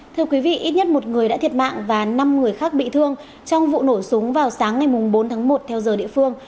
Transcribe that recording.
thưa quý vị ít nhất một người đã thiệt mạng và năm người khác bị thương trong vụ nổ súng vào sáng ngày bốn tháng một theo giờ địa phương